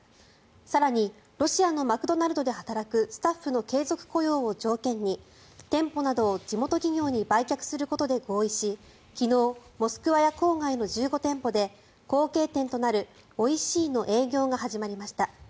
更にロシアのマクドナルドで働くスタッフの継続雇用を条件に店舗などを地元企業に売却することで合意し昨日、モスクワや郊外の１５店舗で後継店となる「おいしい。」の営業が始まりました。